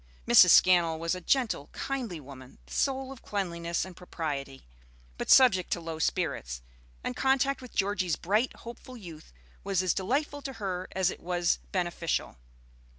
Mrs. Scannell was a gentle, kindly woman, the soul of cleanliness and propriety, but subject to low spirits; and contact with Georgie's bright, hopeful youth was as delightful to her as it was beneficial.